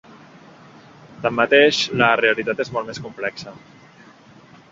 Tanmateix, la realitat és molt més complexa.